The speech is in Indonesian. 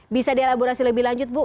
bisa dielaborasi lebih lanjut bu